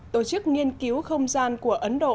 tổ chức nghiên cứu không gian của ấn độ